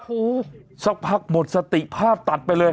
โอ้โหสักพักหมดสติภาพตัดไปเลย